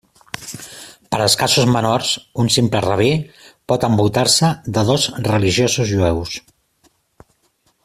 Per als casos menors, un simple rabí pot envoltar-se de dos religiosos jueus.